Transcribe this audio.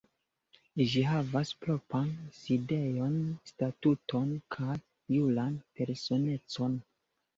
Ĝi havas propran sidejon, statuton kaj juran personecon.